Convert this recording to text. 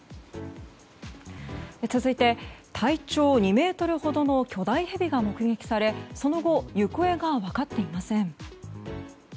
続いて、体長２ｍほどの巨大ヘビが目撃されその後、行方が分かっていません。